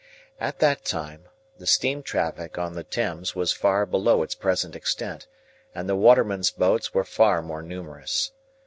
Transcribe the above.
At that time, the steam traffic on the Thames was far below its present extent, and watermen's boats were far more numerous.